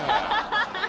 ハハハ！